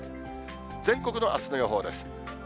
全国のあすの予報です。